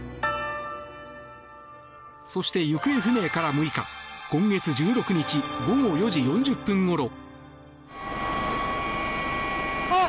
そして行方不明から６日今月１６日午後４時４０分ごろ。